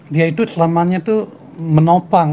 dia itu selamanya itu menopang